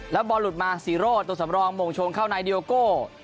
แล้วบอลหลุดมาซีโร่ตัวสำรองมงชนเข้าในดีโอโก้